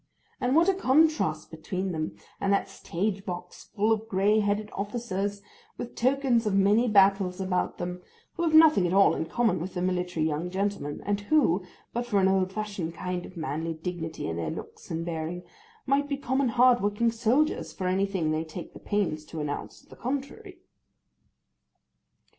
And what a contrast between them, and that stage box full of grey headed officers with tokens of many battles about them, who have nothing at all in common with the military young gentlemen, and who—but for an old fashioned kind of manly dignity in their looks and bearing—might be common hard working soldiers for anything they take the pains to announce to the contrary!